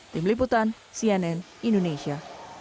tim liputan cnn indonesia